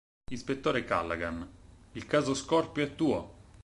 Ispettore Callaghan: il caso Scorpio è tuo!